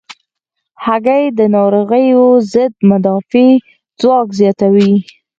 هګۍ د ناروغیو ضد مدافع ځواک زیاتوي.